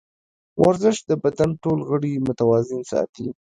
ورزش د بدن ټول غړي متوازن ساتي.